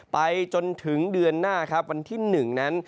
ไปจนถึงเดือนหน้าครับวันที่๑นั้น